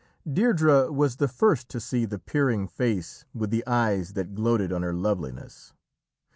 Deirdrê was the first to see the peering face with the eyes that gloated on her loveliness.